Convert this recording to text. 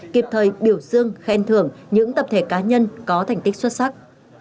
kịp thời biểu dương khen thưởng những tập thể cá nhân có thành tích xuất sắc